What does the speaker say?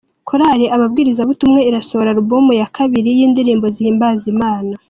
Korali Ababwirizabutumwa irasohora alubumu ya kabiri y’indirimbo zihimbaza Imana